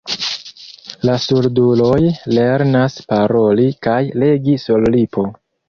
La surduloj lernas paroli kaj legi sur lipo.